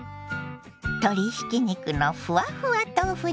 鶏ひき肉のふわふわ豆腐